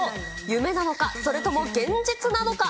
夢なのか、それとも現実なのか？